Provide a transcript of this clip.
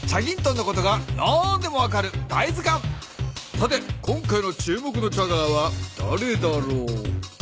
さて今回の注目のチャガーはだれだろう？